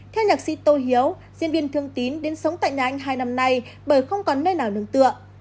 theo nhạc sĩ tô hiếu diễn viên thương tín đến sống tại nhà anh hai năm nay bởi không còn nơi nào nương tựa